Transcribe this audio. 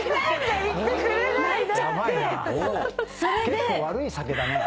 結構悪い酒だね。